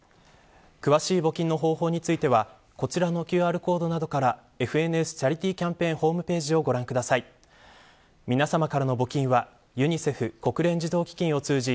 詳しい募金の方法についてはこちらのＱＲコードなどからＦＮＳチャリティキャンペーンホームページをご覧ください。